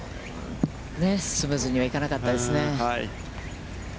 スムーズには行かなかったですね。